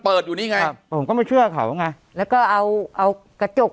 อยู่นี่ไงผมก็ไม่เชื่อเขาไงแล้วก็เอาเอากระจก